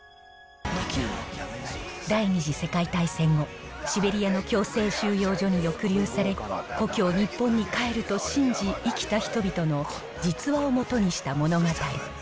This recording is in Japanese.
第２次世界大戦後、シベリアの強制収容所に抑留され、故郷、日本に帰ると信じ、生きた人々の実話をもとにした物語。